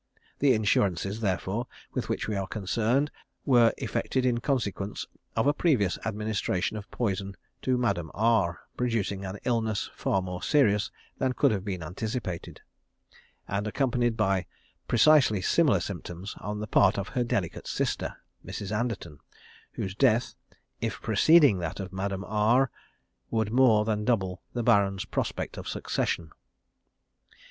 The insurances, therefore, with which we are concerned, were effected in consequence of a previous administration of poison to Madame R, producing an illness far more serious than could have been anticipated, and accompanied by precisely similar symptoms on the part of her delicate sister, Mrs. Anderton, whose death, if preceding that of Madame R, would more than double the Baron's prospect of succession.